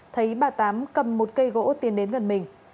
thấy bà tám cầm một cây gỗ tiến đến gần mình